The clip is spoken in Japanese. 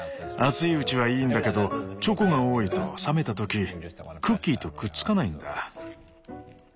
熱いうちはいいんだけどチョコが多いと冷めた時クッキーとくっつかないんだ。